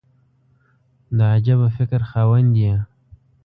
د عجبه فکر خاوند یې !